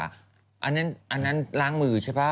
อันนั้นล้างมือใช่ป่ะ